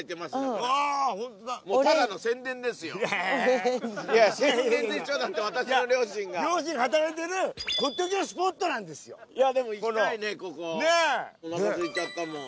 おなかすいちゃったもん。